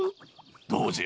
どうじゃ？